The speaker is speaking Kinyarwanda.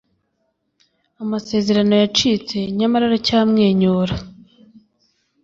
amasezerano yacitse nyamara uracyamwenyura